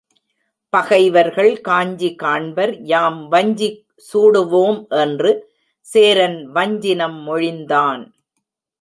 பகைவர்கள் காஞ்சி காண்பர் யாம் வஞ்சி சூடுவோம் என்று சேரன் வஞ்சினம் மொழிந்தான்.